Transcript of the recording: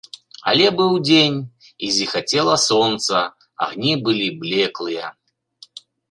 Але быў дзень, і зіхацела сонца, агні былі блеклыя.